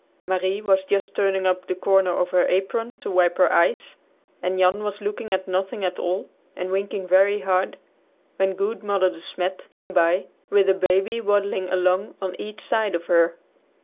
Marie was just turning up the corner of her apron to wipe her eyes, and Jan was looking at nothing at all and winking very hard, when good Mother De Smet, came by with a baby waddling along on each side of her.